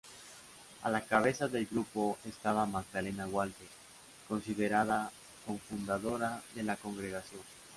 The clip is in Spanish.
A la cabeza del grupo estaba Magdalena Walker, considerada cofundadora de la congregación.